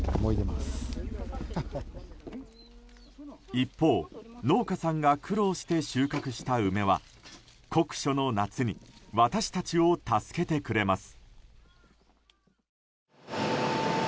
一方、農家さんが苦労して収穫した梅は酷暑の夏に私たちを助けてくれます。